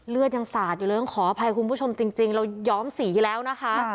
เลือดยังสาดอยู่เลยต้องขออภัยคุณผู้ชมจริงเราย้อมสีแล้วนะคะ